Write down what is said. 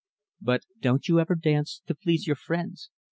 "But don't you ever dance to please your friends?"